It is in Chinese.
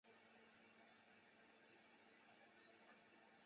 英国传教士李德立就是在这种背景下来到庐山。